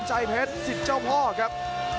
ใจเพชรสิทธิ์เจ้าพ่อครับ